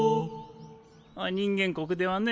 人間国ではね